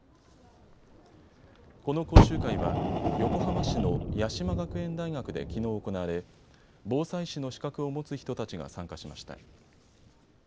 この講習会は横浜市の八洲学園大学できのう行われ防災士の資格を持つ人たちが参加しました。